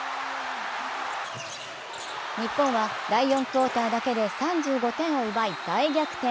日本は第４クオーターだけで３５点を奪い大逆転。